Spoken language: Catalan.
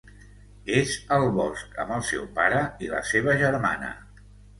És al bosc amb el seu pare i la seva germana.